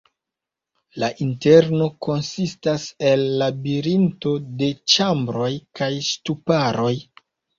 La interno konsistas el labirinto de ĉambroj kaj ŝtuparoj.